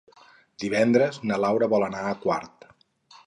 Divendres na Laura vol anar a Quart.